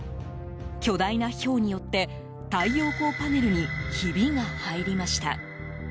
巨大なひょうによって太陽光パネルにひびが入りました。